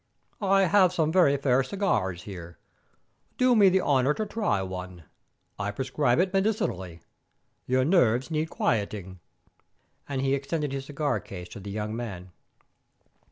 I have some very fair cigars here. Do me the honour to try one. I prescribe it medicinally. Your nerves need quieting;" and he extended his cigar case to the young man.